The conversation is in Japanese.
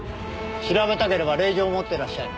調べたければ令状を持ってらっしゃい。